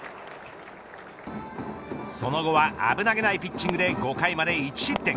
その後は危なげないピッチングで５回まで１失点。